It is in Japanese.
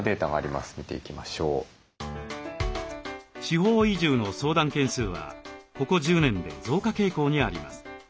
地方移住の相談件数はここ１０年で増加傾向にあります。